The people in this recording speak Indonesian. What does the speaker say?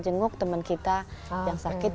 jenguk teman kita yang sakit yang sakit